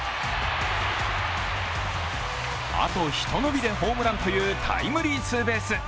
あとひと伸びでホームランというタイムリーツーベース。